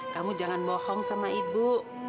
kamu jangan bohong sama ibu